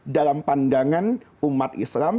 dalam pandangan umat islam